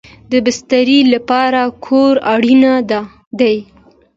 د بسترې لپاره کور اړین دی